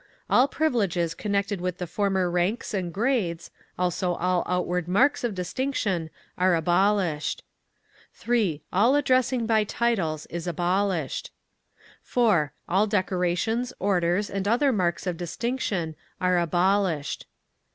All privileges connected with the former ranks and grades, also all outward marks of distinction, are abolished. 3. All addressing by titles is abolished. 4. All decorations, orders, and other marks of distinction are abolished.